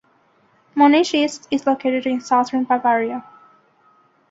Munich East is located in southern Bavaria.